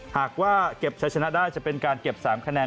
หากว่าเก็บใช้ชนะได้จะเป็นการเก็บ๓คะแนน